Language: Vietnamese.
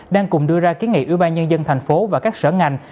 đang cùng đưa ra kiến nghị ưu ba nhân dân thành phố và các sở ngành